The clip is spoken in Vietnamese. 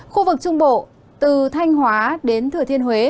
khu vực trung bộ từ thanh hóa đến thừa thiên huế